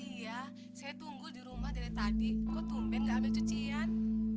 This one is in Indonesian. iya saya tunggu di rumah dari tadi kok tumben gak ambil cucian